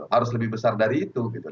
harus lebih besar dari itu gitu